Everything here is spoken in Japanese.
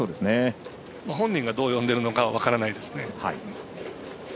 本人がどう呼んでるかは分からないですね。